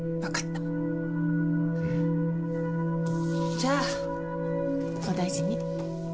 じゃあお大事に。